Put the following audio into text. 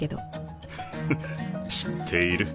フフッ知っている。